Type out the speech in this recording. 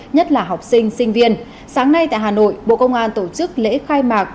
nhất là học sinh sinh viên sáng nay tại hà nội bộ công an tổ chức lễ khai mạc